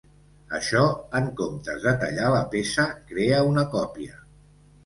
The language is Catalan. Això, en comptes de tallar la peça, crea una còpia.